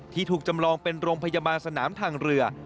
ถูกจำลองเป็นโรงพยาบาลสนามทางเรือ